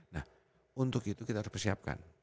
nah untuk itu kita harus persiapkan